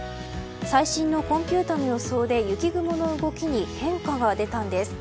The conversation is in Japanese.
最新のコンピューターの予想で雪雲の動きに変化が出たんです。